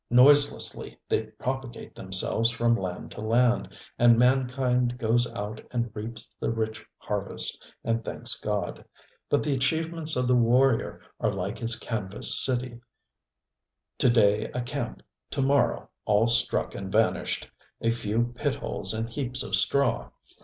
Noiselessly they propagate themselves from land to land, and mankind goes out and reaps the rich harvest and thanks God; but the achievements of the warrior are like his canvas city, ŌĆ£to day a camp, to morrow all struck and vanished, a few pit holes and heaps of straw.